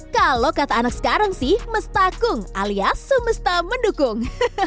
kalau kata anak sekarang sih mestakung alias semesta mendukung